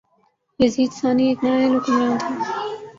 یزید ثانی ایک نااہل حکمران تھا